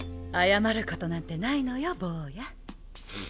謝ることなんてないのよ坊や。